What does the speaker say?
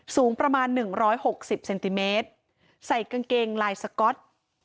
สูงประมาณ๑๖๐เซนติเมตรใส่กางเกงลายสก๊อต